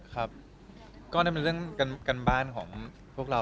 ก็เป็นเรื่องกันบ้านของพวกเรา